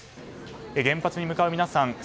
原発に向かう皆さん